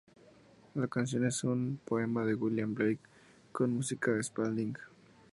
La canción es un poema de William Blake con música de Spalding.